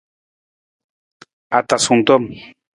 Atasung tom.